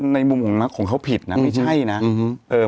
ในมุมของเขาผิดแน็ตนี้